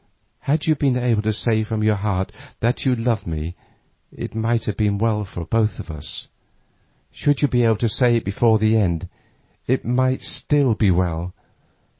Had you been able to say from your heart that you loved me, it might have been well for both of us; should you be able to say it before the end, it may still be well.